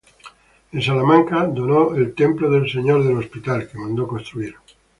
En Salamanca, donó el Templo del señor del Hospital, que mandó construir.